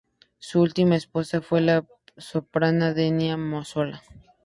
Su última esposa fue la soprano Denia Mazzola.